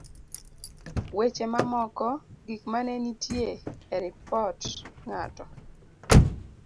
weche mamoko gik manenitie e Ripot Ng'ato